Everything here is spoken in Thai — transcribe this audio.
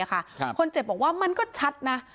คนเจ็บบอกว่ามันก็ชัดนะ